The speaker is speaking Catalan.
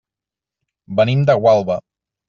Venim de Gualba.